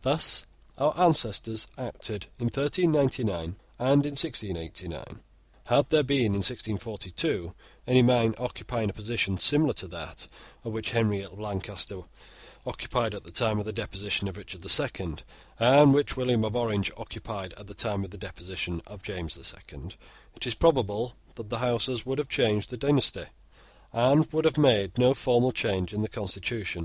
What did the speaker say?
Thus our ancestors acted in 1399 and in 1689. Had there been, in 1642, any man occupying a position similar to that which Henry of Lancaster occupied at the time of the deposition of Richard the Second, and which William of Orange occupied at the time of the deposition of James the Second, it is probable that the Houses would have changed the dynasty, and would have made no formal change in the constitution.